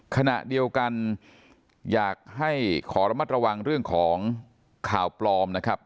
ขณะเดียวกันอยากให้ขอระมัดระวังเรื่องของข่าวปลอมนะครับ